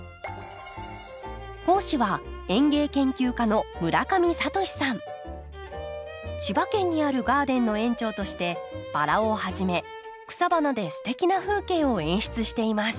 講師は千葉県にあるガーデンの園長としてバラをはじめ草花ですてきな風景を演出しています。